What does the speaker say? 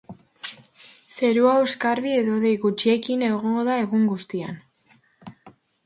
Zerua oskarbi edo hodei gutxirekin egongo da egun guztian.